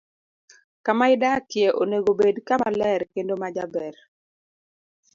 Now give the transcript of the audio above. Kama idakie onego obed kama ler kendo ma jaber.